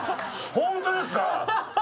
ホントですか？